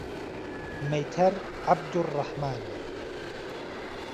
مەيتهر عهبدوڕڕهحمانه